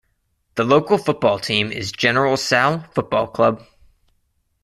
The local football team is General Sal Football club.